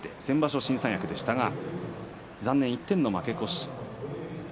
新三役でしたが残念、１点の負け越し